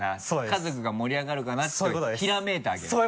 「家族が盛り上がるかな」ってひらめいたわけだ。